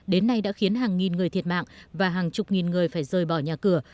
đến nay đã khiến hàng nghìn người thiệt mạng và hàng chục nghìn người phải rời bỏ nhà cửa